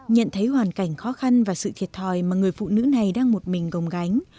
nhận thấy hoàn cảnh khó khăn và sự thiệt thòi mà người phụ nữ này đang một mình gồng gánh